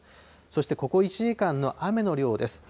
そしてここ１時間の雨の量です。